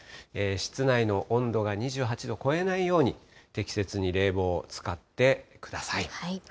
室内の温度が２８度を超えないように、適切に冷房を使ってください。